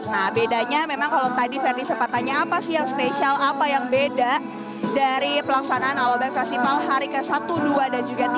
nah bedanya memang kalau tadi verdi sempat tanya apa sih yang spesial apa yang beda dari pelaksanaan alobank festival hari ke satu dua dan juga tiga puluh